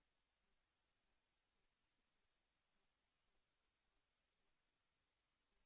แสดงที่มาหาเวลาและนัดถ่าย